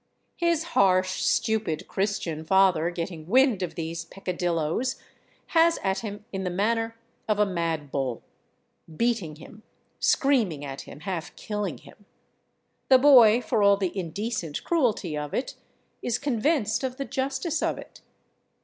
His harsh, stupid, Christian father, getting wind of these peccadilloes, has at him in the manner of a mad bull, beating him, screaming at him, half killing him. The boy, for all the indecent cruelty of it, is convinced of the justice of it.